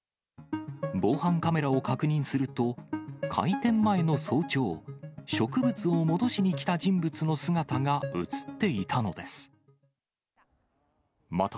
防犯カメラを確認すると、開店前の早朝、植物を戻しにきた人物の姿が写っていたのです。